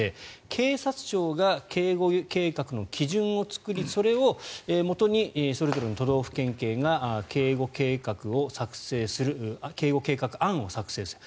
警察庁が警護計画の基準を作りそれをもとにそれぞれの都道府県警が警護計画案を作成する。